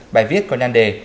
bài viết có nhan đề